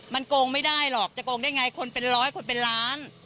มันโกงไม่ได้หรอกจะโกงได้ไงคนเป็นร้อยคนเป็นล้าน